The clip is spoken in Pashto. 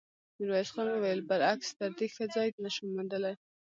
ميرويس خان وويل: برعکس، تر دې ښه ځای نه شم موندلی.